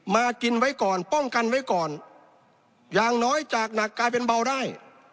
มากินไว้ก่อนป้องกันไว้ก่อนอย่างน้อยจากหนักกลายเป็นเบาได้